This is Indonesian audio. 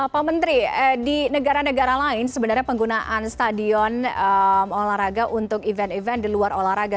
pak menteri di negara negara lain sebenarnya penggunaan stadion olahraga untuk event event di luar olahraga